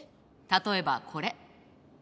例えばこれ。